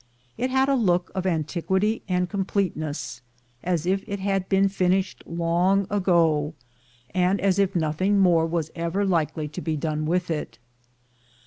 It had a look of antiquity and completeness, as if it had been fin ished long ago, and as if nothing more was ever likely to be done with it.